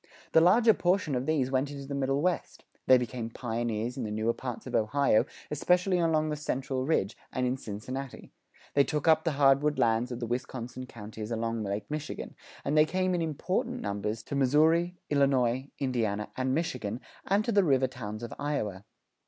The larger portion of these went into the Middle West; they became pioneers in the newer parts of Ohio, especially along the central ridge, and in Cincinnati; they took up the hardwood lands of the Wisconsin counties along Lake Michigan; and they came in important numbers to Missouri, Illinois, Indiana, and Michigan, and to the river towns of Iowa.